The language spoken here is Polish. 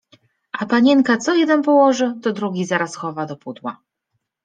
A panienka co jeden położy, to drugi zaraz chowa do pudła.